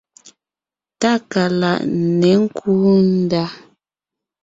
Tákaláʼ ně kúu ndá.